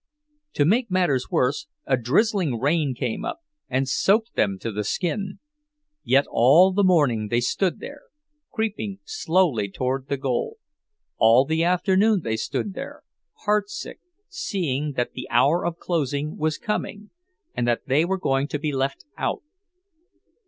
To make matters worse a drizzling rain came up, and soaked them to the skin; yet all the morning they stood there, creeping slowly toward the goal—all the afternoon they stood there, heartsick, seeing that the hour of closing was coming, and that they were going to be left out.